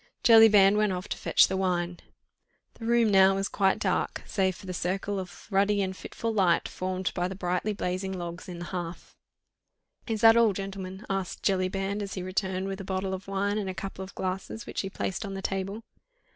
Jellyband went off to fetch the wine. The room now was quite dark, save for the circle of ruddy and fitful light formed by the brightly blazing logs in the hearth. "Is that all, gentlemen?" asked Jellyband, as he returned with a bottle of wine and a couple of glasses, which he placed on the table.